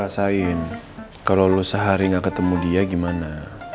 kamu rasain kalau kamu sehari nggak ketemu dia gimana